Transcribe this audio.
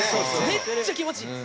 めっちゃ気持ちいいんです。